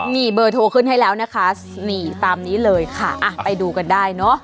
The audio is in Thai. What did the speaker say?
มีเบอร์โทรขึ้นให้แล้วนะคะนี่ตามนี้เลยค่ะอ่ะไปดูกันได้เนอะ